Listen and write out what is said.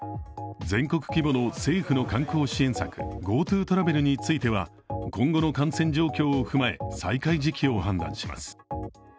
全国規模の政府の観光支援策、ＧｏＴｏトラベルについては今後の感染状況を踏まえ再開時期を判断します。